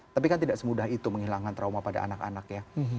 tapi kan tidak semudah itu menghilangkan trauma pada anak anak ya